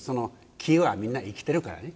木は、みんな生きているからね